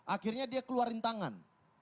akhirnya dia keluarin tangan